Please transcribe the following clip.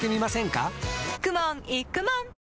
かくもんいくもん